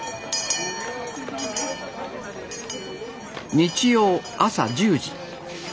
日曜朝１０時。